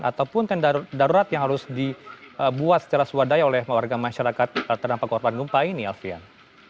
ataupun daerah yang harus dibuat secara swadaya oleh warga masyarakat terhadap keorban gumpa ini alfian